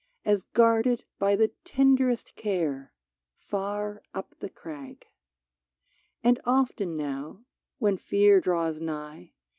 As guarded by the tenderest care — Far up the crag. And often now, when fear draws nigh.